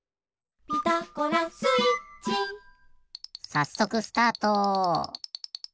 さっそくスタート！